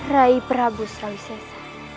rai prabu surawi sesa